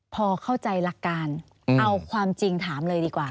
พอเข้าใจหลักการเอาความจริงถามเลยดีกว่า